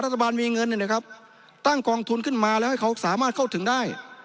รัฐบาลมีเงินเนี่ยนะครับตั้งกองทุนขึ้นมาแล้วให้เขาสามารถเข้าถึงได้